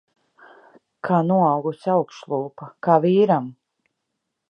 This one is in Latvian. Kā noaugusi augšlūpa. Kā vīram.